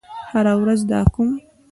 هره ورځ دا کوم